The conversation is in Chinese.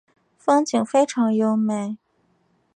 风景非常优美。